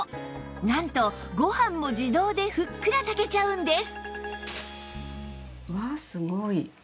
なんとご飯も自動でふっくら炊けちゃうんです